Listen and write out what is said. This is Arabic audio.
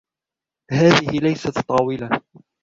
هذه ليست طاولة.